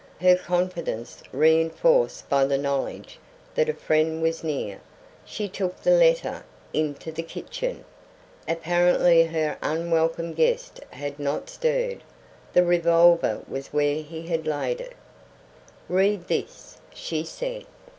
Her confidence reenforced by the knowledge that a friend was near, she took the letter into the kitchen. Apparently her unwelcome guest had not stirred. The revolver was where he had laid it. "Read this," she said.